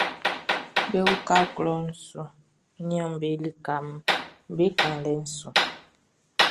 Be uka klɔʼn su nnɛnʼm be likaʼm be kplanlɛʼn su.